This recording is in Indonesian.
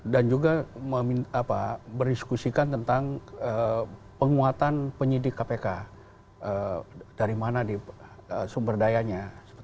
dan juga berdiskusikan tentang penguatan penyidik kpk dari mana sumber dayanya